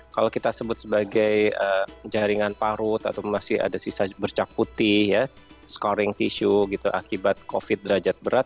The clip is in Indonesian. kalau kita sebut sebagai jaringan parut atau masih ada sisa bercak putih ya scoring tisu gitu akibat covid derajat berat